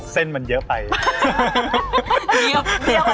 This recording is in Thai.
เส้นมันเยอะไปเยี่ยม